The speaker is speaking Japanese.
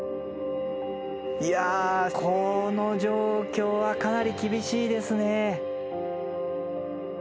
いやこの状況はかなり厳しいですね。